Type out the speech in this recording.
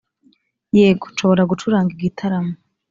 yego nshobora gucuranga igitaramo